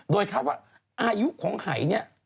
โดยคาดว่าอายุของหายเนี่ย